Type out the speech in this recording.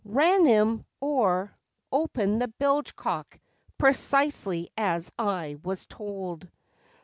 Ran 'em, or opened the bilge cock, precisely as I was told.